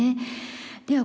では